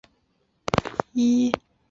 奥尔河畔勒普若。